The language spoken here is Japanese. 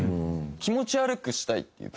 気持ち悪くしたいっていう。